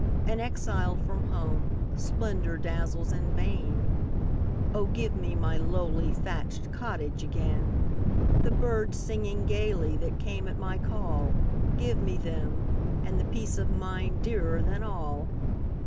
An exile from home, splendor dazzles in vain:O, give me my lowly thatched cottage again! The birds singing gayly that came at my call;—Give me them,—and the peace of mind dearer than all!